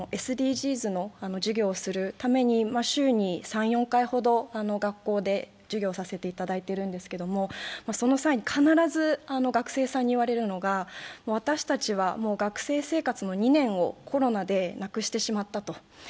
今、ＳＤＧｓの授業をするために週に３４回目ほど学校で授業をさせていただいているんですけれども、その際に、必ず学生さんに言われるのは、私たちは学生生活の２年をコロナでなくしてしまったと。